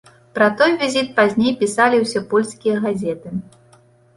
Пра той візіт пазней пісалі ўсе польскія газеты.